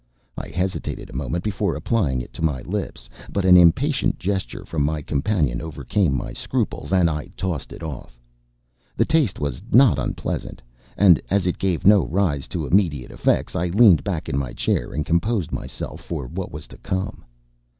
I hesitated a moment before applying it to my lips, but an impatient gesture from my companion overcame my scruples, and I tossed it off. The taste was not unpleasant; and, as it gave rise to no immediate effects, I leaned back in my chair and composed myself for what was to come.